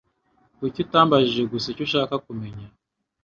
Kuki utambajije gusa icyo ushaka kumenya